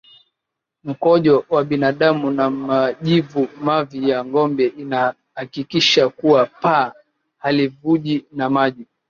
mkojo wa binadamu na majivu Mavi ya ngombe inahakikisha kuwa paa halivuji na maji